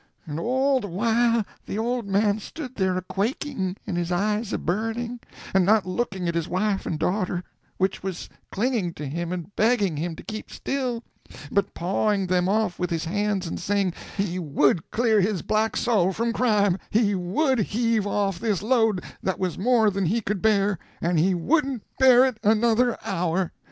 And all the while the old man stood there a quaking and his eyes a burning, and not looking at his wife and daughter, which was clinging to him and begging him to keep still, but pawing them off with his hands and saying he would clear his black soul from crime, he would heave off this load that was more than he could bear, and he wouldn't bear it another hour!